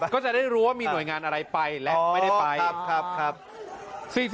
ก็จะได้รู้ว่ามีหน่วยงานอะไรไปและไม่ได้ไป